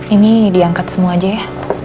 ini diangkat semua aja ya